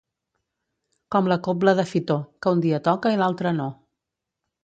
Com la cobla de Fitor, que un dia toca i l'altre no.